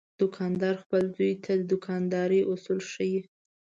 دوکاندار خپل زوی ته د دوکاندارۍ اصول ښيي.